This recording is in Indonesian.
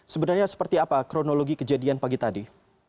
sebenarnya seperti apa kronologi kejadian pagi tadi